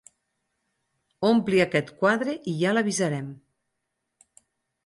Ompli aquest quadre i ja l'avisarem.